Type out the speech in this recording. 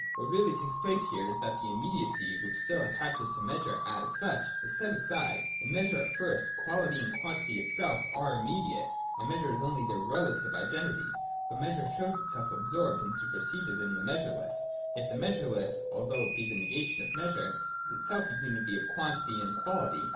110.] What really takes place here is that the imme diacy, which still attaches to measure as such, is set aside. In measure, at first, quality and quantity itself no, III.] MEASURE. 205 are immediate, and measure is only their 'relative' identity. But measure shows itself absorbed and super seded in the measureless : yet the measureless, although it be the negation of measure, is itself a unity of quantity and quality.